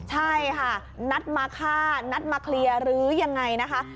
ใช่ค่ะนัดมาฆ่านัดมาเคลียร์หรือยังไงนะคะ